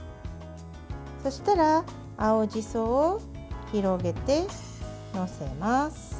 そうしたら青じそを広げて載せます。